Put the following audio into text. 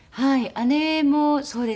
姉もそうですね。